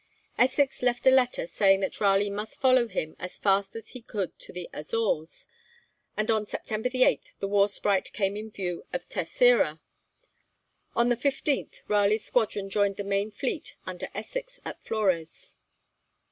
Essex left a letter saying that Raleigh must follow him as fast as he could to the Azores, and on September 8 the 'War Sprite' came in view of Terçeira. On the 15th Raleigh's squadron joined the main fleet under Essex at Flores.